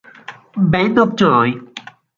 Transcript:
Band of Joy